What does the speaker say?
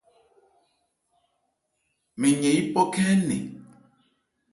Mɛn yɛn yípɔ khɛ́n ɛɛ́ nɛn.